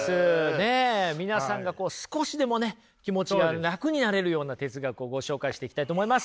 ねえ皆さんがこう少しでもね気持ちが楽になれるような哲学をご紹介していきたいと思います！